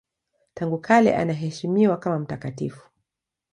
Tangu kale anaheshimiwa kama mtakatifu.